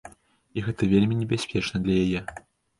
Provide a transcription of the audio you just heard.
І гэта вельмі небяспечна для яе.